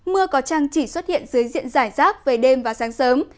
mưa có trăng chỉ xuất hiện dưới diện giải rác về đêm và sáng sớm